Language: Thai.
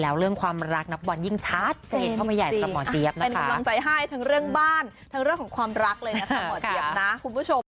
แต่ว่าเชื่อว่าทุกคนที่เป็นเพศอื่นก็ล้อเช่นกัน